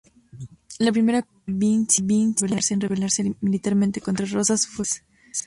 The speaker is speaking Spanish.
La primera provincia en rebelarse militarmente contra Rosas fue Corrientes.